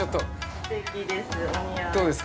◆すてきです。